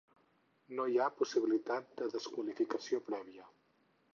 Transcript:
No hi ha possibilitat de desqualificació prèvia.